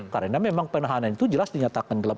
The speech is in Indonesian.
karena memang penahanan itu jelas dinyatakan dalam